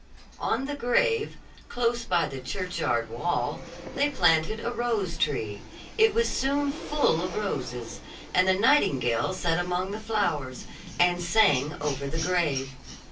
On the grave, close by the churchyard wall, they planted a rose tree; it was soon full of roses, and the nightingale sat among the flowers, and sang over the grave.